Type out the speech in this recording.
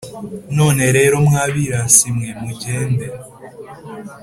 none rero mwa birasi mwe mugende